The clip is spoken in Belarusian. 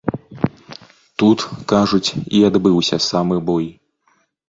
Тут, кажуць, і адбыўся самы бой.